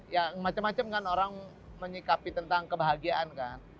ya macem macem kan orang menyikapi tentang kebahagiaan kan